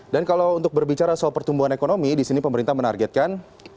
dan kalau untuk berbicara soal pertumbuhan ekonomi di sini pemerintah menargetkan